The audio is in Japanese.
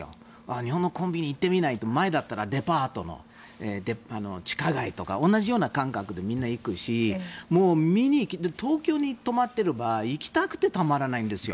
日本のコンビニ行ってみないと前だったらデパートの地下街だとか同じような感覚でみんな行くし東京に泊まっていれば行きたくてたまらないんですよ。